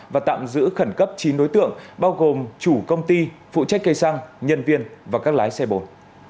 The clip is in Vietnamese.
và tạm giữ khẩn cấp chín đối tượng bao gồm chủ công ty phụ trách cây xăng nhân viên và các lái xe bồn